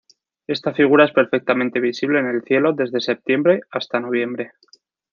Esta figura es perfectamente visible en el cielo desde septiembre hasta noviembre.